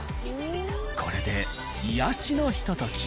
これで癒しのひと時を。